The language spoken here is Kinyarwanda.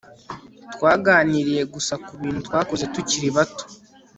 Twaganiriye gusa kubintu twakoze tukiri bato